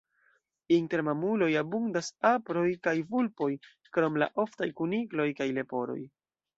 Inter mamuloj abundas aproj kaj vulpoj, krom la oftaj kunikloj kaj leporoj.